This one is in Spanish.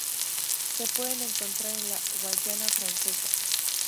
Se pueden encontrar en la Guayana Francesa.